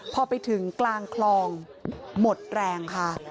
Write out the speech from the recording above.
พอไปถึงกลางคลองหมดแรงค่ะ